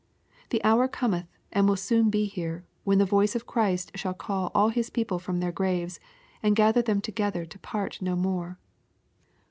The hour cometh and will soon be here, when the voice of Christ shall call all His pfjople from thoir graves, and gather them together to part no more.